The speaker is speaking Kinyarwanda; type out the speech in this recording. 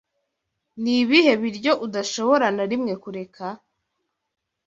Ni ibihe biryo udashobora na rimwe kureka?